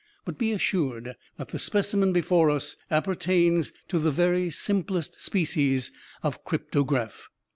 But be assured that the specimen before us appertains to the very simplest species of cryptograph.